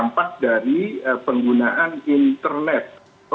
berharap mudah mudahan ngeblur ya